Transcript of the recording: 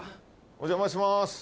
お邪魔します。